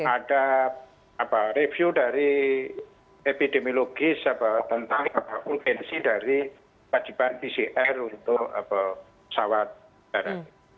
ada review dari epidemiologis tentang ulensi dari wajiban pcr untuk pesawat darat